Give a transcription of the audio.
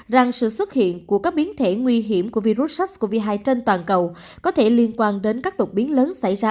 rằng sự xuất hiện của các biến thể nguy hiểm của virus sars cov hai trên toàn cầu có thể liên quan đến các đột biến lớn xảy ra